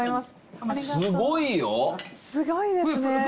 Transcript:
すごいですね！